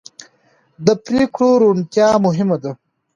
د پرېکړو روڼتیا مهمه ده